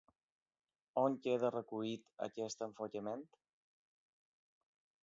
On queda recollit aquest enfocament?